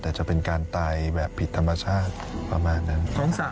แต่จะเป็นการตายแบบผิดธรรมชาติประมาณนั้น